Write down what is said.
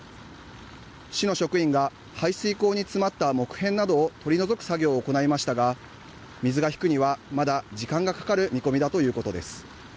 市の職員が排水口に詰まった木片などを取り除く作業を行いましたが水が引くにはまだ時間がかかる見込みだということです。